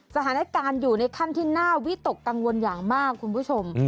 สถานการณ์อยู่ในขั้นที่น่าวิตกกังวลอย่างมากคุณผู้ชม